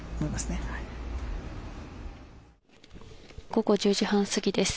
午後１０時半過ぎです。